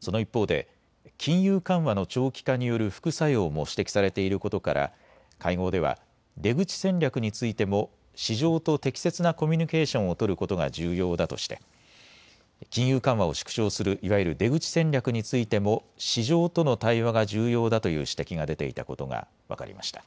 その一方で金融緩和の長期化による副作用も指摘されていることから会合では出口戦略についても市場と適切なコミュニケーションを取ることが重要だとして金融緩和を縮小する、いわゆる出口戦略についても市場との対話が重要だという指摘が出ていたことが分かりました。